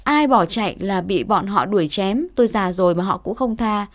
ai bỏ chạy là bị bọn họ đuổi chém tôi già rồi mà họ cũng không tha